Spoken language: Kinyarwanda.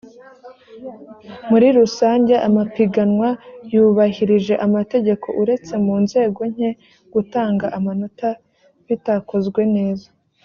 muri rusange amapiganwa yubahirije amategeko uretse mu nzego nke gutanga amanota bitakozwe neza